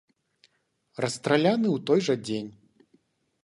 Расстраляны ў той жа дзень.